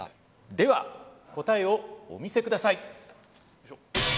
では答えをお見せください。